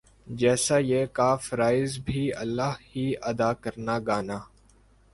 جَیسا یِہ کا فرائض بھی اللہ ہی ادا کرنا گانا